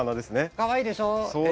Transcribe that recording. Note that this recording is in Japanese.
かわいいでしょう？ええ。